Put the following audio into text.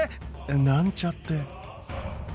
なんちゃって。